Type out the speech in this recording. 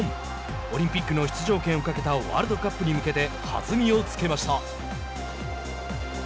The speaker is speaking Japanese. オリンピックの出場権をかけたワールドカップに向けて弾みをつけました。